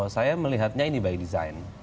saya melihatnya ini by design